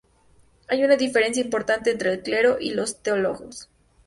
Hay una diferencia importante entre el clero y los teólogos.